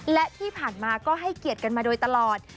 และที่ผ่านมาก็ให้เกียรติกันมาโดยตลอด